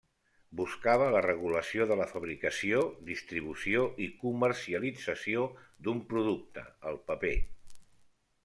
Buscava la regulació de la fabricació, distribució i comercialització d'un producte, el paper.